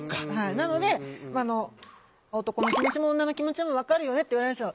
なので男の気持ちも女の気持ちも分かるよねって言われるんですよ。